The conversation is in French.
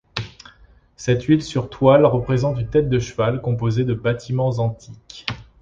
Cette huile sur toile représente une tête de cheval composée de bâtiments antiques.